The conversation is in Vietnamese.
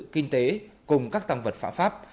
kinh tế cùng các tăng vật phạm pháp